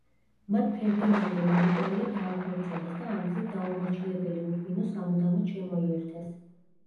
მათ ფერდინანდო და ვიტორია დააქორწინეს და ამ გზით დაუმორჩილებელი ურბინო სამუდამოდ შემოიერთეს.